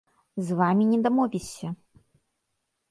З вамі не дамовішся.